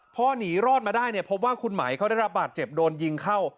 พอหนีรอดมาได้เนี่ยพบว่าคุณไหมเขาได้รับบาดเจ็บโดนยิงเข้า